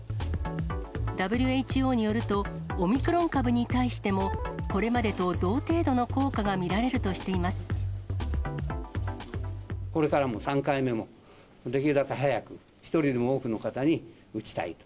ＷＨＯによると、オミクロン株に対してもこれまでと同程度の効果が見られるとしてこれからも３回目もできるだけ早く、一人でも多くの方に打ちたいと。